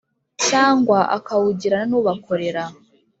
cyangwa akawugirana n ubakorera